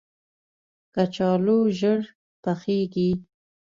کچالو ژر پخیږي